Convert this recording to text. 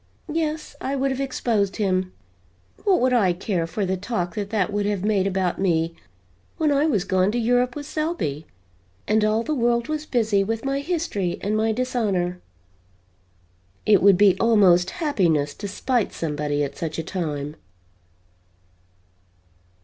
Yes, I would have exposed him! What would I care for the talk that that would have made about me when I was gone to Europe with Selby and all the world was busy with my history and my dishonor? It would be almost happiness to spite somebody at such a time."